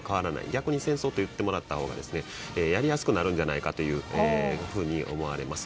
逆に戦争と言ってもらったほうがやりやすくなると思います。